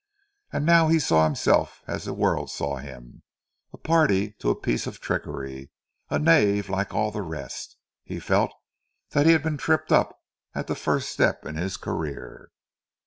And now he saw himself as the world saw him,—a party to a piece of trickery,—a knave like all the rest. He felt that he had been tripped up at the first step in his career.